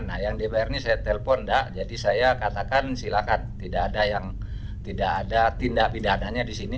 nah yang dpr ini saya telpon jadi saya katakan silakan tidak ada tindak pidananya di sini